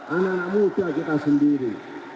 anak anak muda kita sendiri